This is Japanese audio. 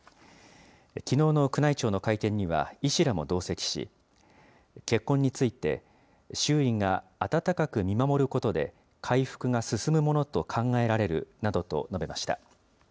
きのうの宮内庁の会見には医師らも同席し、結婚について、周囲が温かく見守ることで、回復が進むものと考えられるなどと述べました。